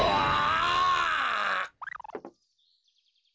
あ。